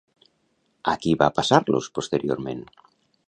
A qui va passar-los posteriorment?